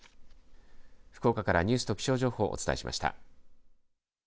福岡からニュースと気象情報をお伝えしました。